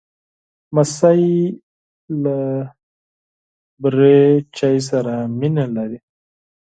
لمسی له بوره چای سره مینه لري.